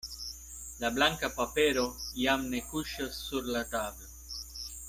La blanka papero jam ne kuŝas sur la tablo.